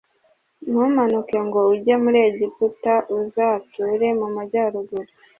Ntumanuke ngo ujye muri Egiputa uzature mu majyaruguru